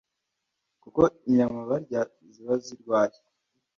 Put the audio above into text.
kuko inyama barya ziba zirwaye